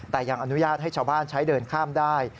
แต่ยังอนุญาตให้ชาวบ้านใช้เดินข้ามได้